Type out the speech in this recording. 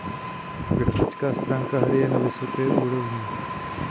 Grafická stránka hry je na vysoké úrovni.